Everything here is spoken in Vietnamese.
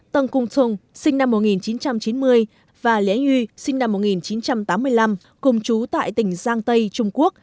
tân cung sinh năm một nghìn chín trăm chín mươi và lễ nhu sinh năm một nghìn chín trăm tám mươi năm cùng chú tại tỉnh giang tây trung quốc